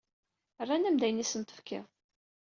Rran-am-d ayen i asen-tefkiḍ.